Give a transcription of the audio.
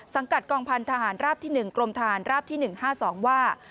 กัดกองพันธหารราบที่๑กรมฐานราบที่๑๕๒ว่า